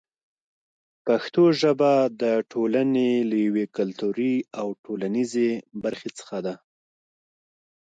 پښتو ژبه د ټولنې له یوې کلتوري او ټولنیزې برخې څخه ده.